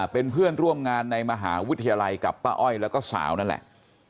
เป็นเพื่อนร่วมงานในมหาวิทยาลัยกับป้าอ้อยแล้วก็สาวนั่นแหละ